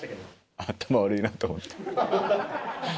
頭悪いなと思って。